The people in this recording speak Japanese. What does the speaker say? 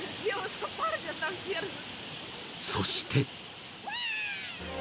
［そして］